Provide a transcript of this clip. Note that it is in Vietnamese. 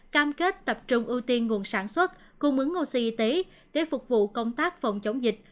cam kết tập trung ưu tiên nguồn sản xuất cung ứng oxy y tế để phục vụ công tác phòng chống dịch